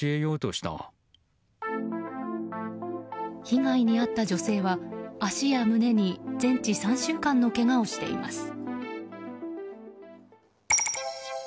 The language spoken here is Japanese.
被害に遭った女性は、足や胸に全治３週間のけがをしています。